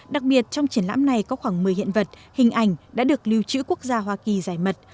đặc biệt trong triển lãm này có khoảng một mươi hiện vật hình ảnh đã được lưu trữ quốc gia hoa kỳ giải mật